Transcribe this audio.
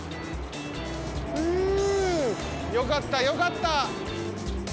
ふうよかったよかった。